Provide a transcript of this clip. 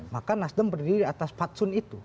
maka nasdem berdiri atas patsun itu